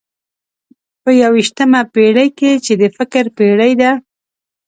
په یوویشتمه پېړۍ کې چې د فکر پېړۍ ده.